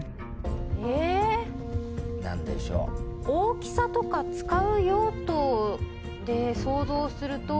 大きさとか使う用途で想像すると。